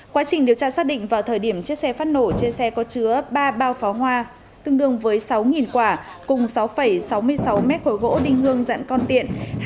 quá trình điều tra xác định vào thời điểm chiếc xe phát nổ chiếc xe có chứa ba bao pháo hoa tương đương với sáu quả cùng sáu sáu mươi sáu m khối gỗ đinh hương dạng con tiện